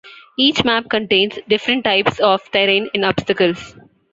Each map contains different types of terrain and obstacles.